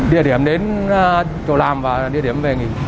địa điểm đến chỗ làm và địa điểm về nghỉ